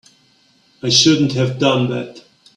I shouldn't have done that.